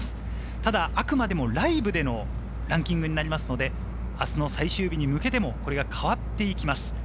ただ、あくまでもライブのランキングになりますので、明日の最終日に向けて、これが変わっていきます。